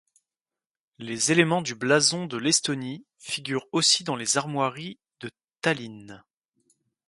Les éléments du blason de l'Estonie figurent aussi dans les armoiries de Tallinn.